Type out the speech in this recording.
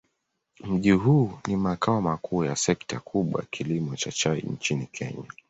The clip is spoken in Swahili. Mji huu ni makao makuu ya sekta kubwa ya kilimo cha chai nchini Kenya.